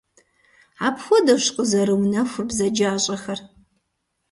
Апхуэдэущ къызэрыунэхур бзаджащӀэхэр.